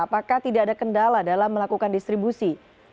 apakah tidak ada kendala dalam melakukan distribusi